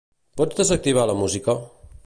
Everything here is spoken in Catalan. Pots desactivar la música?